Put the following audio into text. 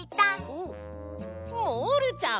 おっモールちゃん！